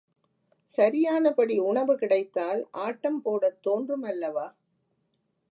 சரியானபடி உணவு கிடைத்தால் ஆட்டம் போடத் தோன்றும் அல்லவா?